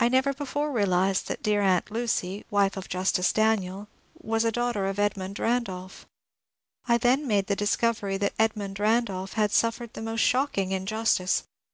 I never before realized that dear aunt 424 MONCURE DANIEL CONWAY Lucy, wife of Justice Daniel, was a daughter of Edmund Randolph. I then made the discovery that Edmund Ran dolph had suffered the most shocking injustice.